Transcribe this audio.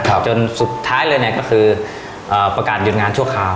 จนสุดท้ายเลยเนี้ยก็คือเอ่อประกาศหยุดงานชั่วคราว